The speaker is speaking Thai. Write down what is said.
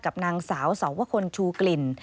กับนางสาวสาวว่าคนชูกลิ่น